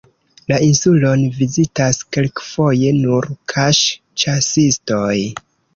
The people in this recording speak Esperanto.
La insulon vizitas kelkfoje nur kaŝ-ĉasistoj.